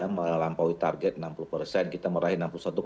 melampaui target enam puluh persen kita meraih enam puluh satu